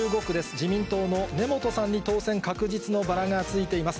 自民党の根本さんに当選確実のバラがついています。